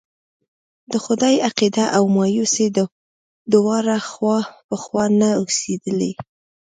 د خدای عقيده او مايوسي دواړه خوا په خوا نه اوسېدلی.